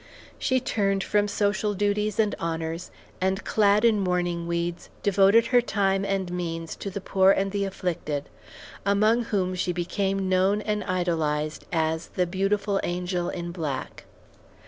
She turned from social duties and honors, and, clad in mourning weeds, devoted her time and means to the poor and the afflicted, among whom she became known and idolized as "the beautiful angel in black."